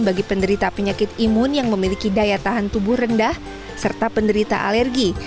bagi penderita penyakit imun yang memiliki daya tahan tubuh rendah serta penderita alergi